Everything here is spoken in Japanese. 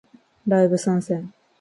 ライブ参戦